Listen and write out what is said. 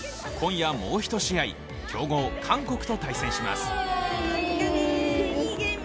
今夜もう一試合、強豪・韓国と対戦します。